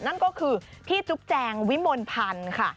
นั่นก็คือพี่จุ๊บแจงวิมลพันธ์ค่ะ